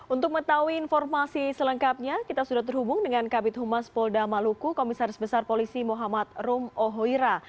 untuk mengetahui informasi selengkapnya kita sudah terhubung dengan kabit humas polda maluku komisaris besar polisi muhammad rum ohhoira